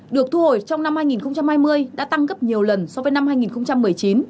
được thu hồi trong năm hai nghìn hai mươi đã tăng gấp nhiều lần so với năm hai nghìn một mươi chín